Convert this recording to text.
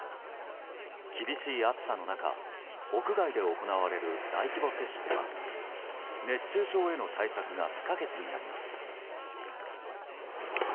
厳しい暑さの中屋外で行われる大規模接種では熱中症への対策が不可欠になります。